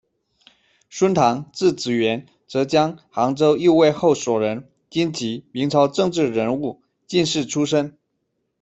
孙塘，字子源，浙江杭州右卫后所人，军籍，明朝政治人物、进士出身。